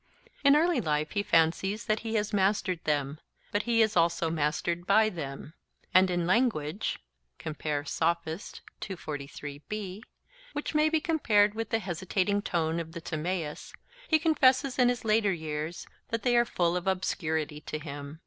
In early life he fancies that he has mastered them: but he is also mastered by them; and in language (Sophist) which may be compared with the hesitating tone of the Timaeus, he confesses in his later years that they are full of obscurity to him.